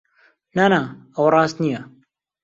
نا، نا! ئەوە ڕاست نییە.